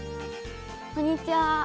こんにちは！